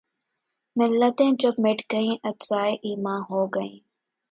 ملتیں جب مٹ گئیں‘ اجزائے ایماں ہو گئیں